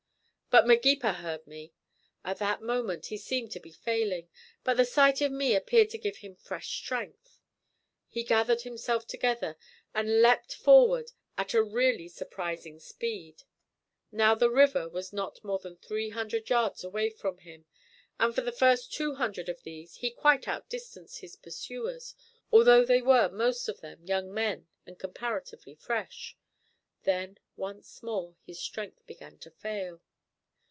But Magepa heard me. At that moment he seemed to be failing, but the sight of me appeared to give him fresh strength. He gathered himself together and leapt forward at a really surprising speed. Now the river was not more than three hundred yards away from him, and for the first two hundred of these he quite outdistanced his pursuers, although they were most of them young men and comparatively fresh. Then once more his strength began to fail.